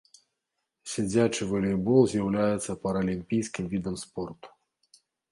Сядзячы валейбол з'яўляецца паралімпійскім відам спорту.